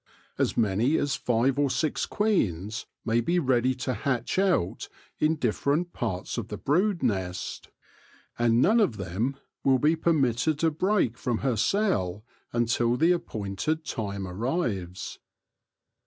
As many as five or six queens may be ready to hatch out in different parts of the brood nest, and none of THE GENESIS OF THE QUEEN 79 them will be permitted to break from her cell until the appointed time arrives.